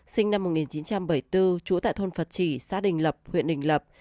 sinh năm một nghìn chín trăm bảy mươi bốn trú tại thôn phật chỉ xã đình lập huyện đình lập